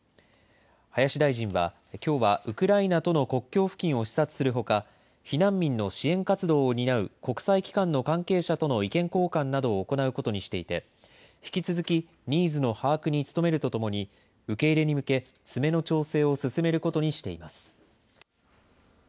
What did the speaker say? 林大臣はきょうはウクライナとの国境付近を視察するほか、避難民の支援活動を担う国際機関の関係者との意見交換などを行うことにしていて、引き続きニーズの把握に努めるとともに、受け入れに向け、詰めの調整を進めることにしています。